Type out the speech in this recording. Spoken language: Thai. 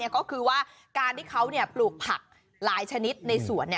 ก็คือว่าการที่เขาปลูกผักหลายชนิดในสวน